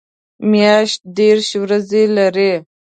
میاشت دېرش ورځې لري